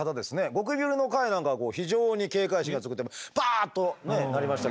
ゴキブリの回なんかは非常に警戒心が強くてバッとねなりましたけれども。